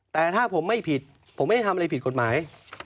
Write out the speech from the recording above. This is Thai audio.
แต่ถ้าผมไม่ผิดผมไม่ได้ทำอะไรผิดกฎหมาย